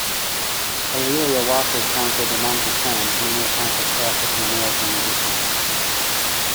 A'Lelia Walker counted among her friends many accomplished African American musicians.